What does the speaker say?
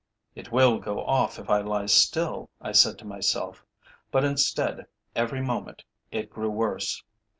"It will go off if I lie still," I said to myself. But instead, every moment, it grew worse.